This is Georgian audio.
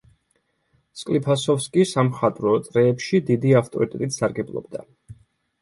სკლიფასოვსკი სამხატვრო წრეებში დიდი ავტორიტეტით სარგებლობდა.